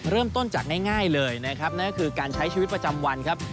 เริ่มต้นจากง่ายเลยนะครับนั่นก็คือการใช้ชีวิตประจำวันครับ